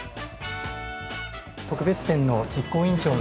特別展の実行委員長の。